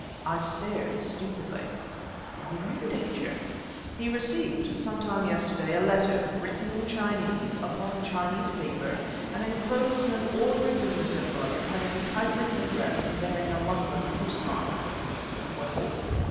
I stared, stupidly. "No longer in danger!" "He received, some time yesterday, a letter, written in Chinese, upon Chinese paper, and enclosed in an ordinary business envelope, having a typewritten address and bearing a London postmark." "Well?"